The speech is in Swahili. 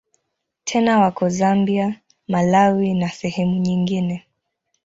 Tena wako Zambia, Malawi na sehemu nyingine.